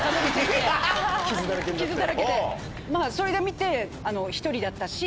それで見て１人だったし。